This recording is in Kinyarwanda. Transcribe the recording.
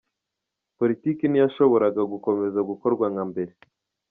Politiki ntiyashoboraga gukomeza gukorwa nka mbere.”